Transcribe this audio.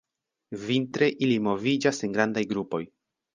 Vintre ili moviĝas en grandaj grupoj.